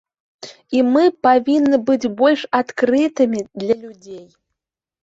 І мы павінны быць больш адкрытымі для людзей.